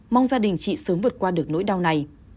mong gia đình chị sớm vượt qua được nỗi đau này